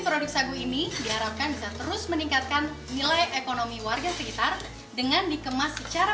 produk sagu ini diharapkan bisa terus meningkatkan nilai ekonomi warga sekitar dengan dikemas secara